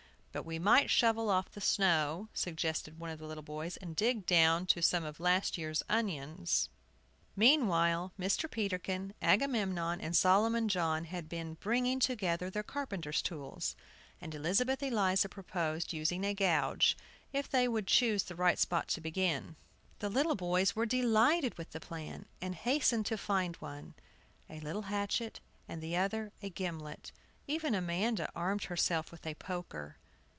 "But we might shovel off the snow," suggested one of the little boys, "and dig down to some of last year's onions." Meanwhile, Mr. Peterkin, Agamemnon, and Solomon John had been bringing together their carpenter's tools, and Elizabeth Eliza proposed using a gouge, if they would choose the right spot to begin. The little boys were delighted with the plan, and hastened to find, one, a little hatchet, and the other a gimlet. Even Amanda armed herself with a poker.